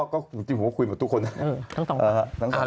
จริงผมก็คุยกับทุกคนนะครับ